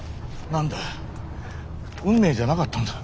何だ運命じゃなかったんだ。